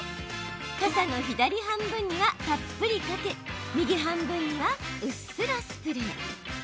傘の左半分には、たっぷりかけ右半分には、うっすらスプレー。